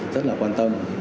rất là quan tâm